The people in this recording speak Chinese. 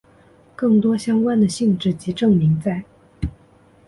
更多相关的性质及证明在。